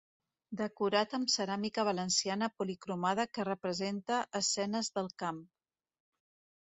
Decorat amb ceràmica Valenciana policromada que representa escenes del camp.